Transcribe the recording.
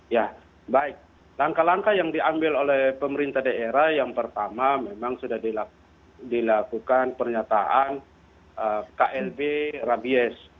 ya baik langkah langkah yang diambil oleh pemerintah daerah yang pertama memang sudah dilakukan pernyataan klb rabies